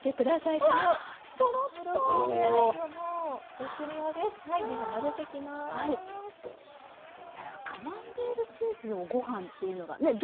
いやカマンベールチーズをご飯っていうのがねっ！